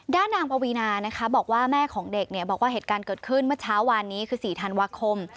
ด้านนางปวีนานะคะบอกว่าแม่ของเด็กบอกว่าเหตุการณ์เกิดขึ้นเมื่อเช้าวานนี้คือ๔ธันวาคม